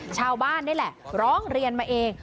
ชาวบ้านนี่แหละร้องเรียนมาเอง